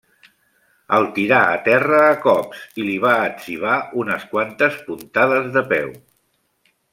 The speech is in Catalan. El tirà a terra a cops i li va etzibar unes quantes puntades de peu.